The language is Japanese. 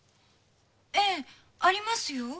えぇありますよ。